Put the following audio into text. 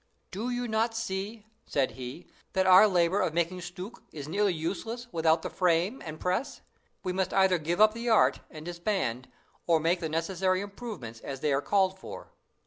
"Do you not see," said he, "that our labor of making stucke is nearly useless without the frame and press? We must either give up the art, and disband, or make the necessary improvements as they are called for."